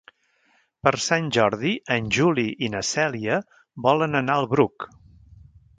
Per Sant Jordi en Juli i na Cèlia volen anar al Bruc.